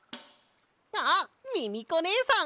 あっミミコねえさん！